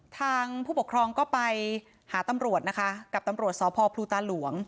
ทางผู้ปกครองก็ไปหาตำรวจนะคะกับตำรวจสพพลูตาหลวง